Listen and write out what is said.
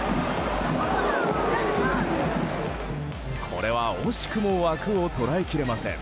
これは惜しくも枠を捉えきれません。